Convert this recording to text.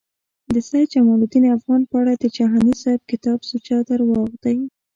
د سید جمالدین افغان په اړه د جهانی صیب کتاب سوچه درواغ دی